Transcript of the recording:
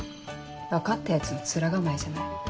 分かったヤツの面構えじゃない。